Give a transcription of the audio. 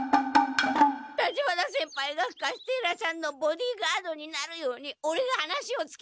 立花先輩がカステーラさんのボディーガードになるようにオレが話をつけてアヘッアヘアヘッ！